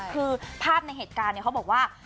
คือภาพในเหตุการณ์เขาบอกว่า